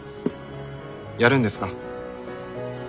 やるんですか。